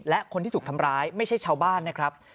และคนที่ถูกทำร้ายไม่ใช่ชาวบ้านนะครับ